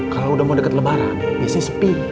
kalau udah mau deket lebaran biasanya spee